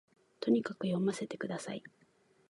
とにかく読ませて下さい